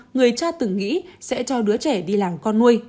người cha từng nghĩ sẽ cho đứa trẻ đi làm con nuôi